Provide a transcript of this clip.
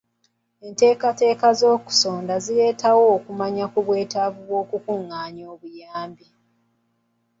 Enteekateeka z'okusonda zireetawo okumanya ku bwetaavu bw'okukungaanya obuyambi.